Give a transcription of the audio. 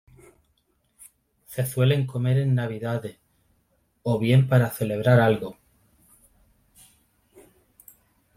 Se suelen comer en Navidades, o bien para celebrar algo.